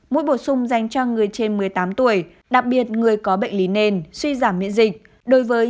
mũi bổ sung dành cho người trên một mươi tám tuổi đặc biệt người có bệnh lý nền suy giảm miễn dịch đối với